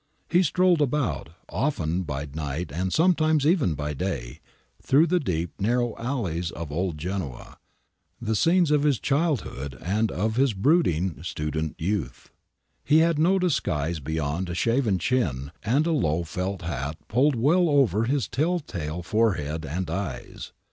He strolled about, often by night and sometimes even by day, through the deep, narrow alleys of old Genoa, the scenes of his childhood and of his brooding student youth. He had no disguise beyond a shaven chin and a low felt hat pulled well over his tell tale forehead and eyes.